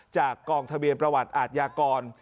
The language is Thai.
จากกองทะเบียนประวัติอาทยากร